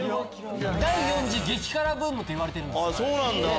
第４次激辛ブームといわれてるんですよ。